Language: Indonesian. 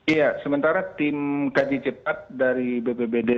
iya sementara tim kaji cepat dari bpbd